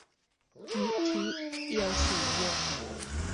นิธิ เอียวศรีวงศ์